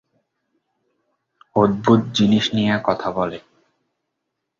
অদ্ভুত জিনিস নিয়ে কথা বলে।